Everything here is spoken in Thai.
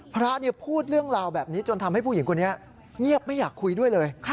พระพูดเรื่องราวแบบนี้จนทำให้ผู้หญิงคนนี้เงียบไม่อยากคุยด้วยเลย